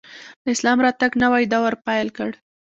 د اسلام راتګ نوی دور پیل کړ